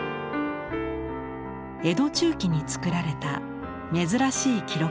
江戸中期に作られた珍しい記録があります。